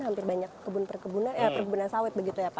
hampir banyak perkebunan sawit